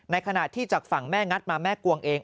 ขณะที่จากฝั่งแม่งัดมาแม่กวงเอง